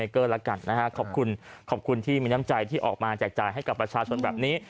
ขอบคุณที่มีน้ำใจที่ออกมาแจกจ่ายให้กับประชาชนแบบนี้